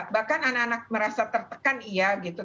bahkan anak anak merasa tertekan iya gitu